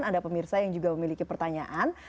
anda pemirsa yang juga memiliki pertanyaan